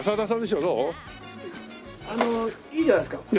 あのいいじゃないですか。